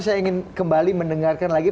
saya ingin kembali mendengarkan lagi